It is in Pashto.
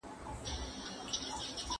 ¬ نن پر ما، سبا پر تا.